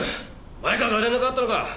前川から連絡はあったのか？